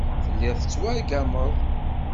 Telliḍ tettwargameḍ.